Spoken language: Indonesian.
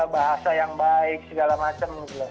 bahasa yang baik segala macam